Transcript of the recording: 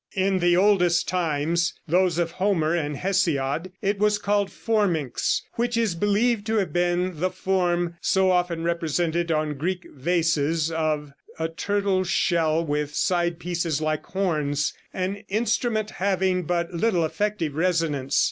In the oldest times, those of Homer and Hesiod, it was called phorminx, which is believed to have been the form so often represented on Greek vases of a turtle shell with side pieces like horns, an instrument having but little effective resonance.